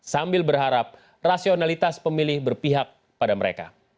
sambil berharap rasionalitas pemilih berpihak pada mereka